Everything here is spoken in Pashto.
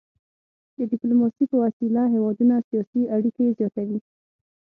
د ډيپلوماسي په وسيله هیوادونه سیاسي اړيکي زیاتوي.